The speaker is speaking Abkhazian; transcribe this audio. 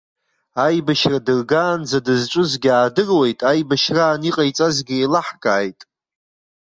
Аибашьра дыргаанӡа дызҿызгьы аадыруеит, аибашьраан иҟаиҵазгьы еилаҳкааит.